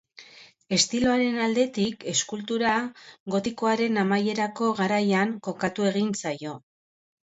Estiloaren aldetik eskultura gotikoaren amaierako garaian kokatu egin zaio.